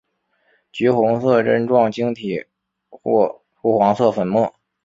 橘红色针状晶体或赭黄色粉末。